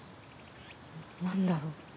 何だろう。